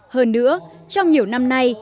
hơn nữa trong nhiều năm nay